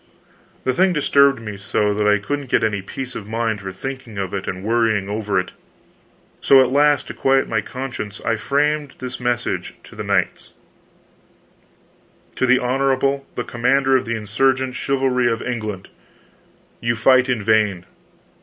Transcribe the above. The thing disturbed me so that I couldn't get any peace of mind for thinking of it and worrying over it. So, at last, to quiet my conscience, I framed this message to the knights: TO THE HONORABLE THE COMMANDER OF THE INSURGENT CHIVALRY OF ENGLAND: You fight in vain.